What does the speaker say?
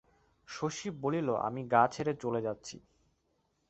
শশী বলিল, আমি গা ছেড়ে চলে যাচ্ছি।